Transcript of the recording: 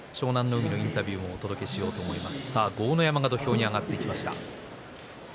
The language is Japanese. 海のインタビューをお届けしようと思います。